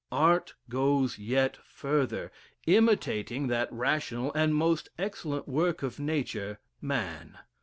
Art goes yet further, imitating that rational and most excellent work of nature, man.